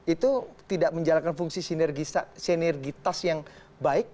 itu tidak menjalankan fungsi sinergitas yang baik